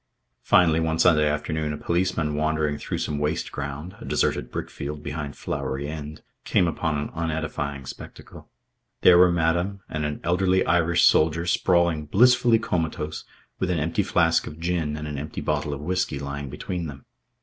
Finally, one Sunday afternoon, a policeman wandering through some waste ground, a deserted brickfield behind Flowery End, came upon an unedifying spectacle. There were madam and an elderly Irish soldier sprawling blissfully comatose with an empty flask of gin and an empty bottle of whisky lying between them.